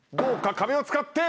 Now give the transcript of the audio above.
壁を使って。